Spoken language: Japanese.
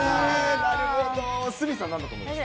なるほど、鷲見さん、なんだと思いますか。